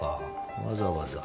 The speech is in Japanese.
わざわざ。